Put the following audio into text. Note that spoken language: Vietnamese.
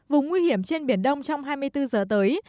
vùng nguy hiểm trên biển đông trong hai mươi bốn giờ tới